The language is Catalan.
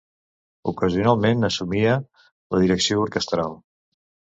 Ocasionalment assumia la direcció orquestral.